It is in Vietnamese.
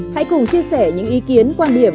hãy cùng chia sẻ những ý kiến quan điểm